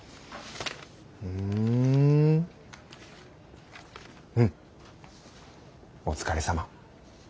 ふんうんお疲れさま。